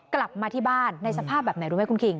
กลับมาที่บ้านในสภาพแบบไหนรู้ไหมคุณคิง